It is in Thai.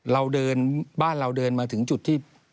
เราเดินบ้านเราเดินมาถึงจุดที่